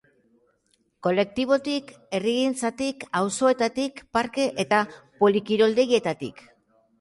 Kolektibotik, herrigintzatik, auzoetatik, parke eta polikiroldegietatik.